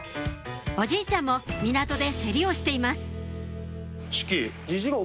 おじいちゃんも港で競りをしています志葵。